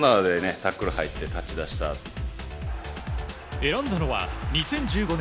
選んだのは２０１５年